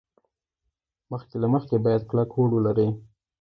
مخکې له مخکې باید کلک هوډ ولري.